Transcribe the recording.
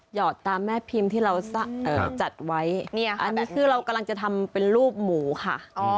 อดตามแม่พิมพ์ที่เราจัดไว้อันนี้คือเรากำลังจะทำเป็นรูปหมูค่ะ